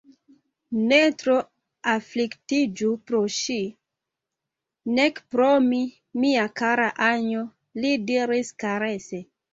Ne tro afliktiĝu pro ŝi, nek pro mi, mia kara Anjo, li diris karese.